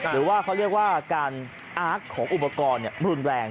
หรือว่าเขาเรียกว่าการอาร์ตของอุปกรณ์รุนแรง